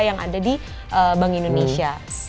yang ada di bank indonesia